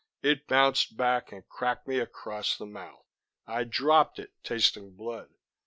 It bounced back and cracked me across the mouth. I dropped it, tasting blood.